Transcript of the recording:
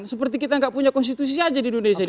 seperti kita tidak punya konstitusi saja di dunia ini